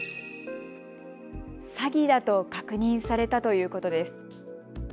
詐欺だと確認されたということです。